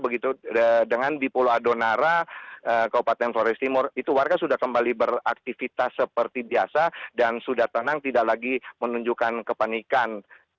begitu dengan di pulau adonara kabupaten flores timur itu warga sudah kembali beraktivitas seperti biasa dan sudah tenang tidak lagi menunjukkan kepanikan